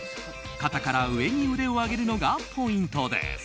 肩から上に腕を上げるのがポイントです。